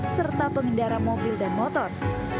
serta pengendara mobil dan motor